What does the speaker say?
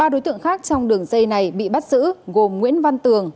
ba đối tượng khác trong đường dây này bị bắt giữ gồm nguyễn văn tường